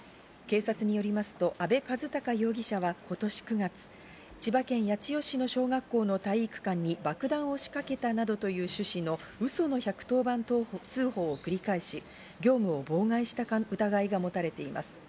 警察によりますと阿部一貴容疑者は今年９月、千葉県八千代市の小学校の体育館に爆弾を仕掛けたなどという趣旨のうその１１０番通報を繰り返し業務を妨害した疑いが持たれています。